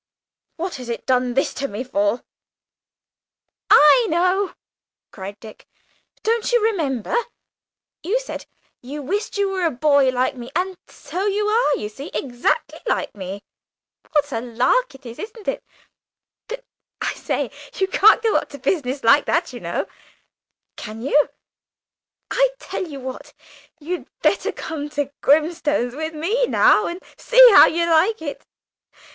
What has it done this to me for?" "I know!" cried Dick. "Don't you remember? You said you wished you were a boy again, like me. So you are, you see, exactly like me! What a lark it is, isn't it? But, I say, you can't go up to business like that, you know, can you? I tell you what, you'd better come to Grimstone's with me now, and see how you like it.